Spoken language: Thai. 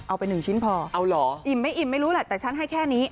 เอาไปหนึ่งชิ้นพอเอาเหรออิ่มไม่อิ่มไม่รู้แหละแต่ฉันให้แค่นี้